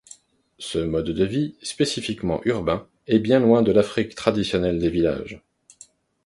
Ce mode de vie, spécifiquement urbain, est bien loin de l’Afrique traditionnelle des villages.